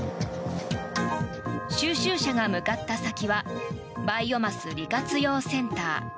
収集車が向かった先はバイオマス利活用センター。